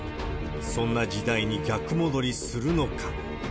そんな時代に逆戻りするのか。